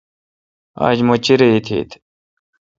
آج مہ چیرہ ایتیتھ ۔